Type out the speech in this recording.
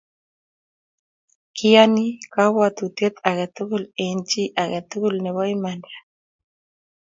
kiyoni kabwotutie age tugul eng' chi age tugul nebo imanda